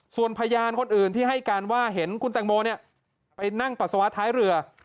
ส่วนพยานคนอื่นที่ให้การว่าเห็นคุณแตงโมไปนั่งปัสสาวะท้ายเรือ